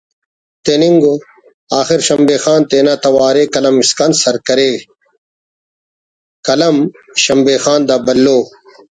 تننگ ءُ…… آخرشمبے خان تینا توارءِ قلم اسکان سر کرے قلم ……شمبے خان دا بھلو